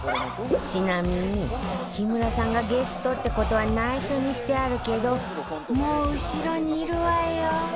ちなみに木村さんがゲストって事は内緒にしてあるけどもう後ろにいるわよ！